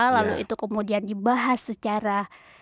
lalu itu kemudian dibahas secara